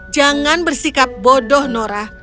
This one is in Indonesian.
jangan bersikap bodoh nora